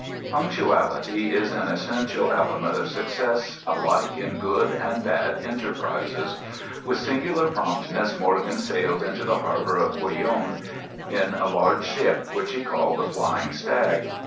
Punctuality is an essential element of success alike in good and bad enterprises. With singular promptness, Morgan sailed into the harbor of Couillon, in a large ship which he called the Flying Stag.